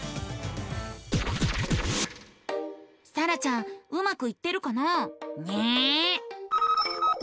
さらちゃんうまくいってるかな？ね。